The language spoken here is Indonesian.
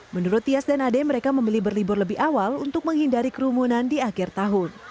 menurut tias dan ade mereka memilih berlibur lebih awal untuk menghindari kerumunan di akhir tahun